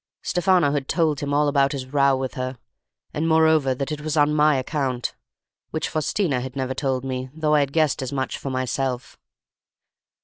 Stefano had told him all about his row with her, and moreover that it was on my account, which Faustina had never told me, though I had guessed as much for myself.